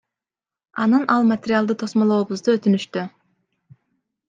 Анан ал материалды тосмолообузду өтүнүштү.